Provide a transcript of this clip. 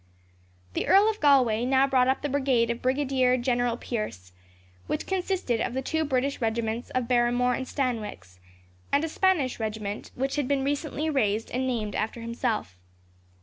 The Earl of Galway now brought up the brigade of Brigadier General Pierce, which consisted of the two British regiments of Barrimore and Stanwix, and a Spanish regiment which had been recently raised and named after himself.